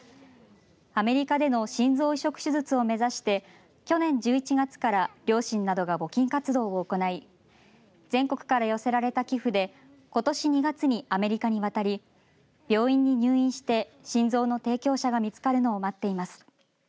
アメリカでの心臓移植手術を目指して去年１１月から両親などが募金活動を行い全国から寄せられた寄付でことし２月にアメリカに渡り病院に入院して心臓の提供者が見つかるのを待っています。